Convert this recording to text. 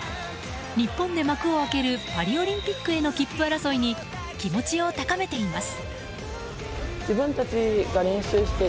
日本で幕を開けるパリオリンピックへの切符争いに気持ちを高めています。